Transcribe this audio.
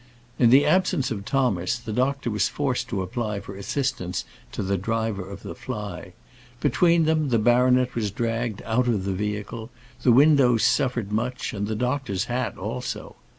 In the absence of Thomas, the doctor was forced to apply for assistance to the driver of the fly. Between them the baronet was dragged out of the vehicle, the windows suffered much, and the doctor's hat also.